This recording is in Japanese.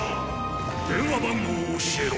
電話番号を教えろ！